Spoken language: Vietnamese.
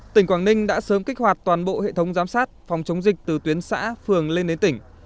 tỉnh quảng ninh đã sớm kích hoạt toàn bộ hệ thống giám sát phòng chống dịch từ tuyến xã phường lên đến tỉnh